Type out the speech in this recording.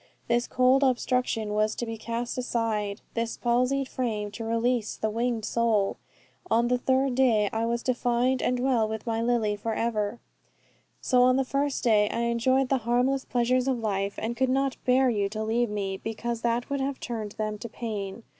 This cold obstruction was to be cast aside, this palsied frame to release the winged soul. On the third day I was to find and dwell with my Lily for ever. So on the first day I enjoyed the harmless pleasures of life, and could not bear you to leave me, because that would have turned them to pain.